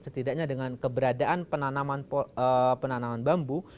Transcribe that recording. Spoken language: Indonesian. setidaknya dengan keberadaan penanaman bambu